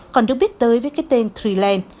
còn được biết tới với cái tên threeland